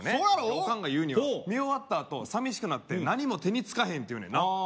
おかんが言うには見終わったあとさみしくなって何も手につかへんって言うねんな